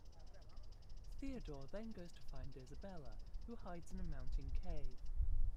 Theodore then goes to find Isabela who hides in a mountain Cave.